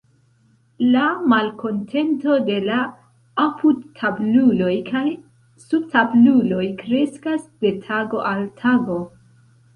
La malkontento de la apudtabluloj kaj subtabluloj kreskas de tago al tago.